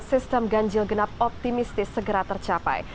sistem ganjil genap optimistis segera tercapai